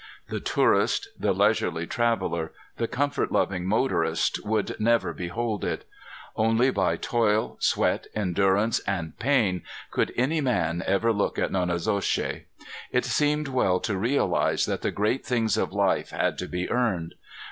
The tourist, the leisurely traveler, the comfort loving motorist would never behold it. Only by toil, sweat, endurance and pain could any man ever look at Nonnezoshe. It seemed well to realize that the great things of life had to be earned.